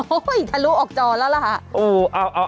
โอ้โหยถ้ารู้ออกจอแล้วละค่ะ